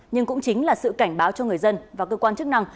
nhưng cũng chính là sự cảnh báo cho người dân và cơ quan chức năng